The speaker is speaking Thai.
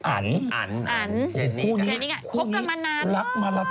อันอันอันเจนี่กับอันคู่นี้รักมาละตอนมาก